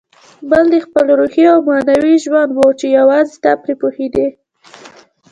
بل دې خپل روحي او معنوي ژوند و چې یوازې ته پرې پوهېدې.